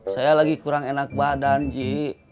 saya lagi kurang enak badan ji